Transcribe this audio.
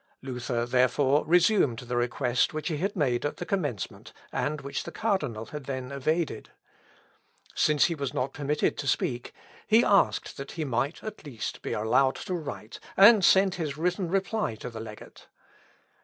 Luther, therefore, resumed the request which he had made at the commencement, and which the cardinal had then evaded. Since he was not permitted to speak, he asked that he might, at least, be allowed to write, and send his written reply to the legate.